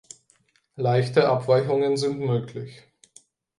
Leichte Abweichungen sind möglich.